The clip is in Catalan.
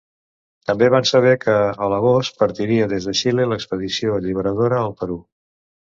També van saber que, a l'agost, partiria des de Xile l'expedició alliberadora al Perú.